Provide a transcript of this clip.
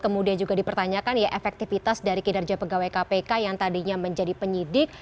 kemudian juga dipertanyakan ya efektivitas dari kinerja pegawai kpk yang tadinya menjadi penyidik